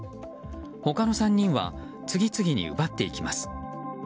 他の３人は次々に奪っていきます。